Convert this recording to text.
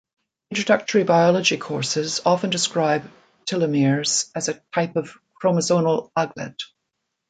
Introductory biology courses often describe telomeres as a type of chromosomal aglet.